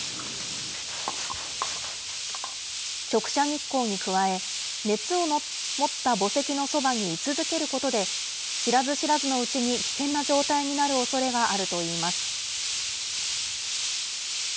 直射日光に加え、熱を持った墓石のそばに居続けることで、知らず知らずのうちに危険な状態になるおそれがあるといいます。